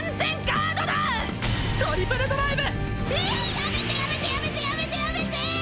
やめてやめてやめてやめてやめて！